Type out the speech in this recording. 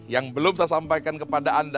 yang belum saya sampaikan kepada anda